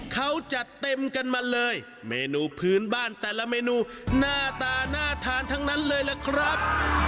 เขาจัดเต็มกันมาเลยเมนูพื้นบ้านแต่ละเมนูหน้าตาน่าทานทั้งนั้นเลยล่ะครับ